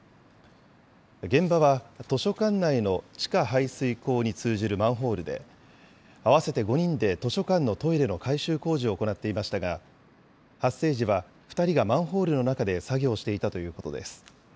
現場は図書館内の地下排水溝に通じるマンホールで、合わせて５人で図書館のトイレの改修工事を行っていましたが、発生時は２人がマンホールの中で作業していたということです。